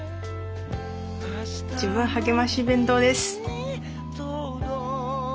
「自分はげまし弁当」です。